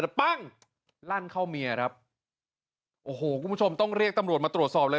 แล้วปั้งลั่นเข้าเมียครับโอ้โหคุณผู้ชมต้องเรียกตำรวจมาตรวจสอบเลย